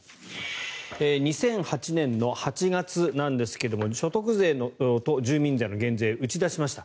２００８年の８月なんですが所得税と住民税の減税を打ち出しました。